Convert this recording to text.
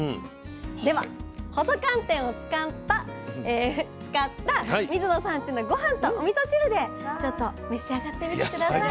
では細寒天を使った水野さんちのごはんとおみそ汁でちょっと召し上がってみて下さい。